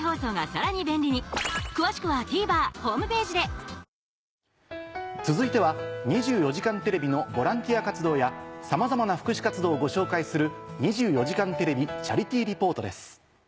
新「ＥＬＩＸＩＲ」続いては『２４時間テレビ』のボランティア活動やさまざまな福祉活動をご紹介する。